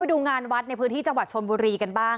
ดูงานวัดในพื้นที่จังหวัดชนบุรีกันบ้าง